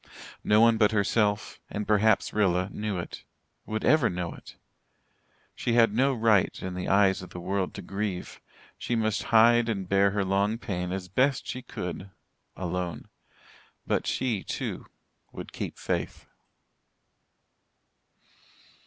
No one but herself and perhaps Rilla knew it would ever know it. She had no right in the eyes of her world to grieve. She must hide and bear her long pain as best she could alone. But she, too, would keep faith.